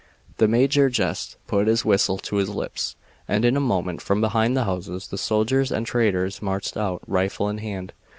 "The major jest put his whistle to his lips, and in a moment from behind the houses the soldiers and traders marched out, rifle in hand.